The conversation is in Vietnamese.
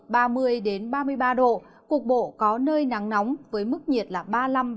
từ ngày ba mươi đến ba mươi ba độ cục bộ có nơi nắng nóng với mức nhiệt là ba mươi năm ba mươi sáu độ